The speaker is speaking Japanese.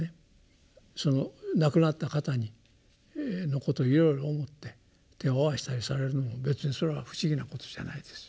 その亡くなった方のことをいろいろ思って手をあわしたりされるのを別にそれは不思議なことじゃないです。